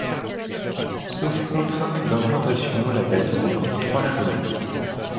Sauf contrainte d'implantation, la balise comporte trois chevrons.